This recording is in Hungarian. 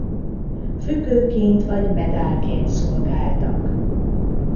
Függőként vagy medálként szolgáltak.